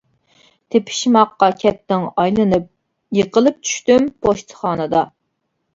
تېپىشماققا كەتتىڭ ئايلىنىپ، يىقىلىپ چۈشتۈم پوچتىخانىدا.